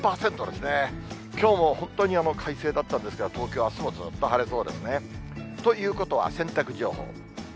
きょうも本当に快晴だったんですが、東京はあすもずっと晴れそうですね。ということは、洗濯情報。